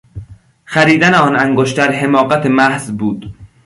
خریدن آن انگشتر حماقت محض بود.